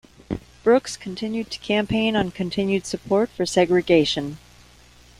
Brooks continued to campaign on continued support for segregation.